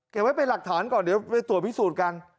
ไว้เป็นหลักฐานก่อนเดี๋ยวไปตรวจพิสูจน์กัน